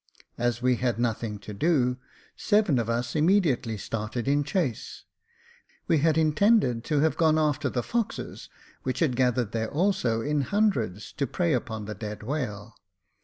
As we had nothing to do, seven of us immediately started in chase : we had intended to have gone after the foxes, which had gathered there also in hundreds, to prey upon the dead whale.